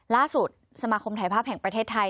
ล่าสุดสมาคมถ่ายภาพแห่งประเทศไทย